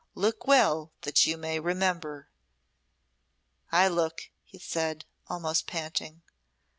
Look well that you may remember." "I look," he said, almost panting.